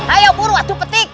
ayo buru atuh petik